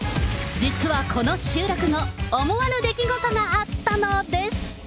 実はこの収録後、思わぬ出来事があったのです。